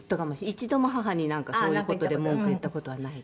一度も母にそういう事で文句言った事はない。